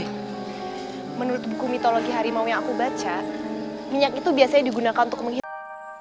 tapi menurut buku mitologi harimau yang aku baca minyak itu biasanya digunakan untuk menghilang